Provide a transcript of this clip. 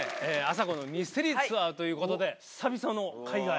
「あさこのミステリーツアー」ということで久々の海外。